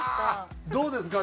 どうですか？